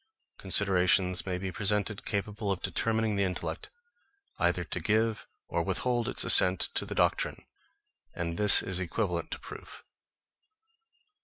Considerations may be presented capable of determining the intellect either to give or withhold its assent to the doctrine; and this is equivalent to proof.